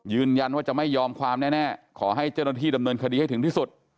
ยืนยันว่าจะไม่ยอมความแน่ขอให้เจ้าหน้าที่ดำเนินคดีให้ถึงที่สุด